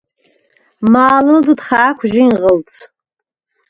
მა̄ლჷლდდ ხა̄̈ქუ̂ ჟინღჷლდს: